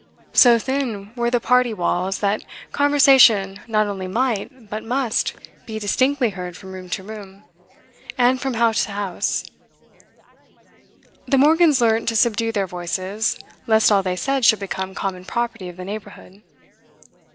So thin were the parti walls that conversation not only might, but must, be distinctly heard from room to room, and from house to house; the Morgans learnt to subdue their voices, lest all they said should become common property of the neighbourhood.